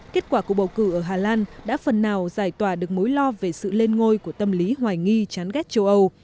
kết quả của bầu cử ở hà lan đã phần nào giải tỏa được mối lo về sự lên ngôi của tâm lý hoài nghi chán ghét châu âu